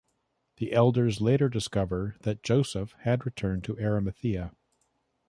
The elders later discover that Joseph had returned to Arimathea.